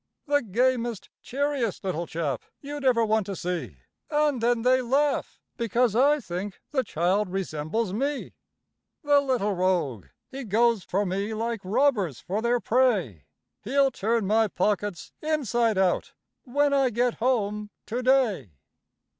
The gamest, cheeriest little chap, you'd ever want to see! And then they laugh, because I think the child resembles me. The little rogue! he goes for me, like robbers for their prey; He'll turn my pockets inside out, when I get home to day.